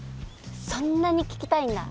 そんなに聞きたいんだ。